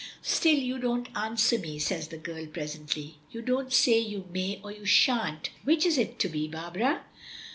"Still you don't answer me," says the girl presently. "You don't say 'you may' or 'you shan't' which is it to be, Barbara?"